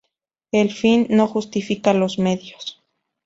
El fin no justifica los medios